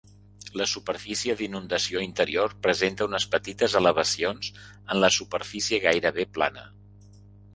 La superfície d'inundació interior presenta unes petites elevacions en la superfície gairebé plana.